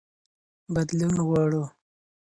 بدلون غواړو.